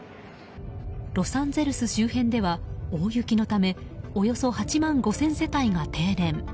ロサンゼルス周辺では大雪のためおよそ８万５０００世帯が停電。